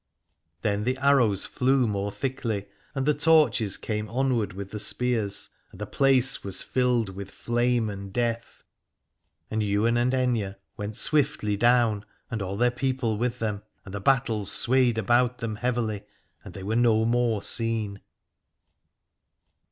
Then the arrows flew more thickly, and the torches came onward with the spears, and the place was filled with flame and death. And Ywain and Aithne went swiftly down, and all their people with them : and the battle swayed about them heavily, and they were no more seen.